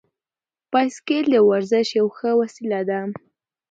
بایسکل د ورزش یوه ښه وسیله ده.